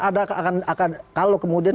ada akan kalau kemudian